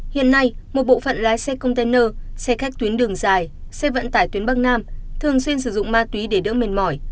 hiện nay một bộ phận lái xe container xe khách tuyến đường dài xe vận tải tuyến bắc nam thường xuyên sử dụng mát túy để đỡ mệt mỏi